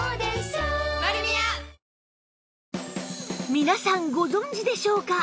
皆さんご存じでしょうか？